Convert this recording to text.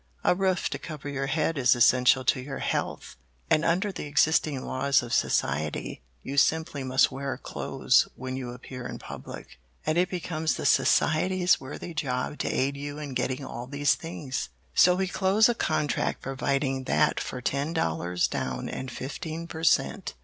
A roof to cover your head is essential to your health, and under the existing laws of society you simply must wear clothes when you appear in public, and it becomes the Society's worthy job to aid you in getting all these things. "So we close a contract providing that for ten dollars down and fifteen per cent.